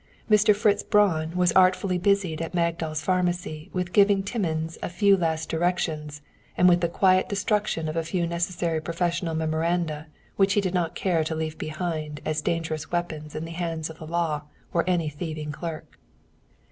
Mr. Fritz Braun was artfully busied at Magdal's Pharmacy with giving Timmins a few last directions, and with the quiet destruction of a few necessary professional memoranda which he did not care to leave behind as dangerous weapons in the hands of the law or any thieving clerk.